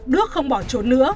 đức không bỏ trốn nữa